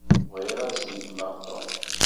Bɣiɣ ad snetmeɣ Tom.